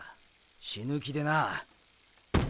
死ぬ気でな。